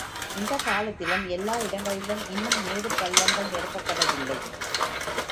இந்தக் காலத்திலும் எல்லா இடங்களிலும் இன்னும் மேடு பள்ளங்கள் நிரவப்படவில்லை.